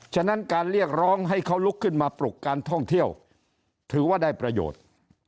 ฉะนั้นการเรียกร้องให้เขาลุกขึ้นมาปลุกการท่องเที่ยวถือว่าได้ประโยชน์